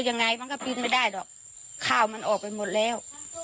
ยังไงมันก็กินไม่ได้หรอกข้าวมันออกไปหมดแล้ว